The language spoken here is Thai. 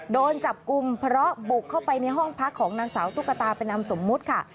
โดนจับกลุ่มเพราะบุกเข้าไปในห้องพักของนางสาวตุ๊กตาเป็นนามสมมุติค่ะ